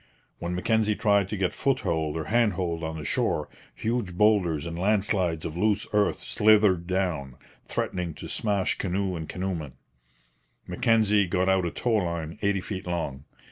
When Mackenzie tried to get foothold or handhold on the shore, huge boulders and land slides of loose earth slithered down, threatening to smash canoe and canoemen. Mackenzie got out a tow line eighty feet long.